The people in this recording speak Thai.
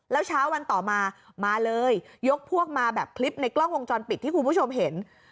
แล้วเช้าวันต่อมามาเลยยกพวกมาแบบคลิปในกล้องวงจรปิดที่คุณผู้ชมเห็น